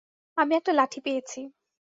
আমি একটা লাঠি পেয়েছি।